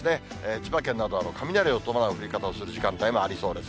千葉県などは雷を伴う降り方をする時間帯もありそうです。